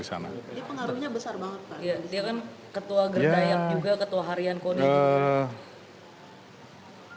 dia kan ketua gerdaya juga ketua harian koni juga